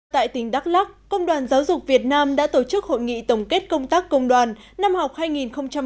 tại tỉnh đắk lắc công đoàn giáo dục việt nam đã tổ chức hội nghị tổng kết công tác công đoàn năm học hai nghìn một mươi chín hai nghìn hai mươi